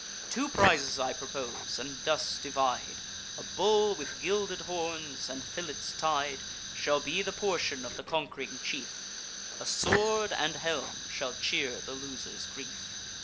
Two prizes I propose, and thus divide: A bull with gilded horns, and fillets tied, Shall be the portion of the conqu'ring chief; A sword and helm shall cheer the loser's grief."